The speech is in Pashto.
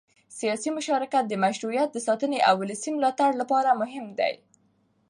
سیاسي مشارکت د مشروعیت د ساتنې او ولسي ملاتړ لپاره مهم دی